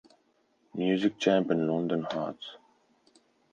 Music Champ and London Hearts.